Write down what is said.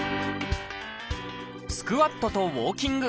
スクワットとウォーキング。